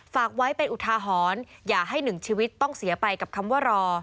ฝากไว้เป็นอุทาหรณ์อย่าให้หนึ่งชีวิตต้องเสียไปกับคำว่ารอ